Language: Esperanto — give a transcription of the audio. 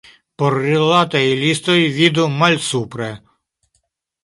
Por rilataj listoj, vidu malsupre.